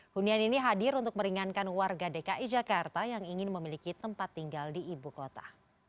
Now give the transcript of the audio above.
hunian ini hadir untuk meringankan warga dki jakarta yang ingin memiliki tempat tinggal di ibu kota